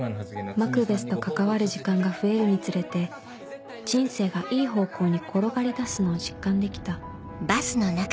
マクベスと関わる時間が増えるにつれて人生がいい方向に転がりだすのを実感できた